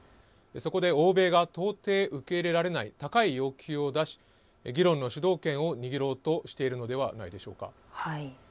そこで、欧米が到底受け入れられない高い要求を出し議論の主導権を握ろうとしているのではないでしょうか。